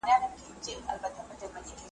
چي افغانان په خپل هیواد کي `